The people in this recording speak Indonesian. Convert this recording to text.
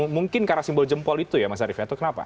mungkin karena simbol jempol itu ya mas arief yanto kenapa